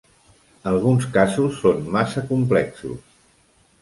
Alguns casos són massa complexos.